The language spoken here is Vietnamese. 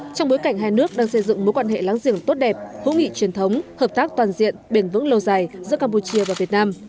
trong bối cảnh hai nước đang xây dựng mối quan hệ láng giềng tốt đẹp hữu nghị truyền thống hợp tác toàn diện biển vững lâu dài giữa campuchia và việt nam